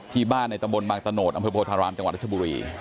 ที่บ้านในตะบนบางตะโนธอำเภอโพธารามจังหวัดรัชบุรี